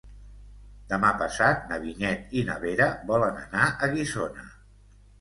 Demà passat na Vinyet i na Vera volen anar a Guissona.